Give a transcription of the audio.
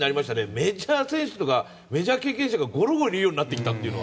メジャー選手とかメジャー経験者がゴロゴロいるようになってきたのは。